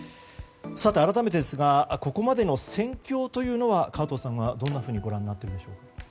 改めてですがここまでの戦況は河東さんはどんなふうにご覧になっているでしょうか。